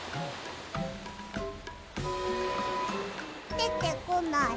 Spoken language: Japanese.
でてこない。